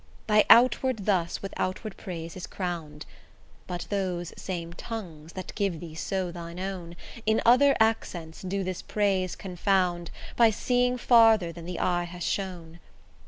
Thy outward thus with outward praise is crown'd; But those same tongues, that give thee so thine own, In other accents do this praise confound By seeing farther than the eye hath shown.